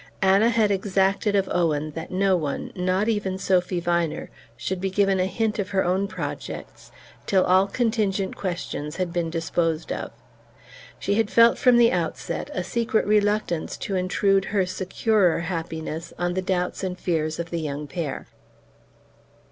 Anna had exacted of Owen that no one, not even Sophy Viner, should be given a hint of her own projects till all contingent questions had been disposed of. She had felt, from the outset, a secret reluctance to intrude her securer happiness on the doubts and fears of the young pair.